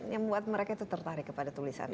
yang membuat mereka tertarik kepada tulisan anda